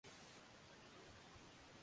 Na onyesho la hadharani la nane la mwaka